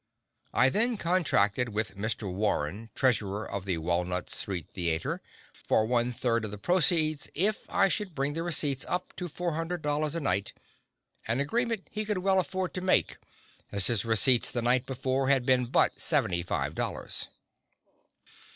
I then contracted with Mr. Warren, treasurer of the Walnut St. Theatre, for one third of the proceeds, if I should bring the receipts up to $400 a night an agreement he could well afford to make as his receipts the night before had been but seventy five dollars.